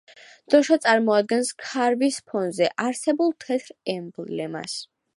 დროშა წარმოადგენს ქარვის ფონზე არსებულ თეთრ ემბლემას.